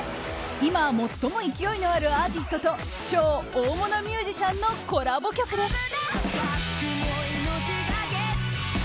今、最も勢いのあるアーティストと超大物ミュージシャンのコラボ曲です。